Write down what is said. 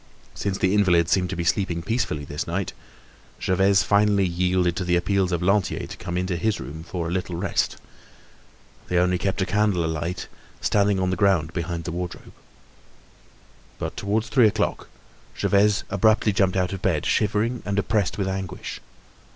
Since the invalid seemed to be sleeping peacefully this night, Gervaise finally yielded to the appeals of Lantier to come into his room for a little rest. They only kept a candle alight, standing on the ground behind the wardrobe. But towards three o'clock Gervaise abruptly jumped out of bed, shivering and oppressed with anguish.